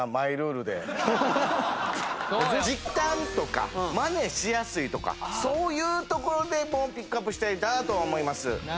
時短とかマネしやすいとかそういうところでもピックアップしたいなと思います。